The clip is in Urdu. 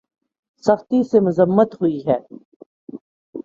سختی سے مذمت ہوئی ہے